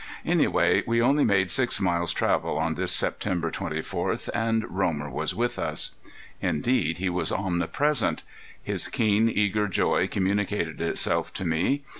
Anyway we only made six miles' travel on this September twenty fourth, and Romer was with us. Indeed he was omnipresent. His keen, eager joy communicated itself to me.